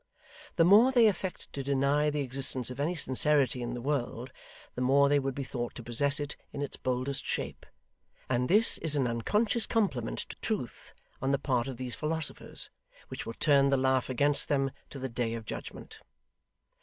The more they affect to deny the existence of any sincerity in the world, the more they would be thought to possess it in its boldest shape; and this is an unconscious compliment to Truth on the part of these philosophers, which will turn the laugh against them to the Day of Judgment.